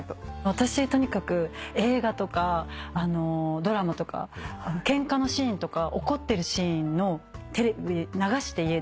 私とにかく映画とかドラマとかケンカのシーンとか怒ってるシーンテレビ流して家で。